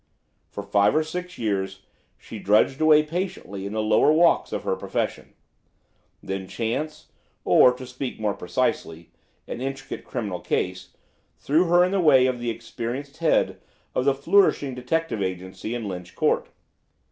For five or six years she drudged away patiently in the lower walks of her profession; then chance, or, to speak more precisely, an intricate criminal case, threw her in the way of the experienced head of the flourishing detective agency in Lynch Court.